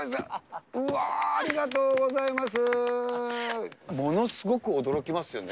うわー、ありがとうございます。